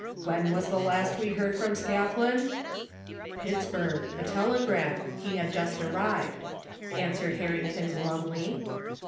When was the last we heard from Scathlin ?" "Pittsburgh. A telegram. He'd just arrived," answered Harrington glumly.